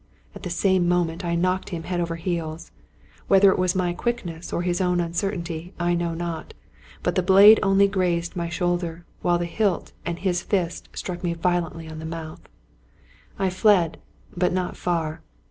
At the same moment I knocked him head over heels. Whether it was my quickness, or his own uncertainty, I know not ; but the blade only grazed my shoulder, while the hilt and his .fist struck me violently on the mouth. I fled, but not far.